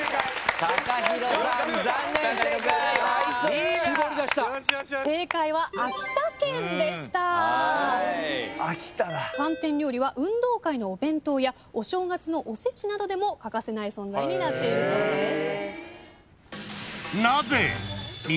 寒天料理は運動会のお弁当やお正月のお節などでも欠かせない存在になっているそうです。